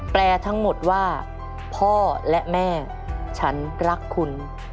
แปลทั้งหมดว่าพ่อและแม่ฉันรักคุณ